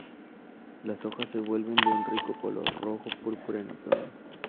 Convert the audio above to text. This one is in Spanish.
Las hojas se vuelven de un rico color rojo-púrpura en otoño.